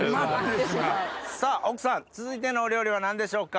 さぁ奥さん続いての料理は何でしょうか？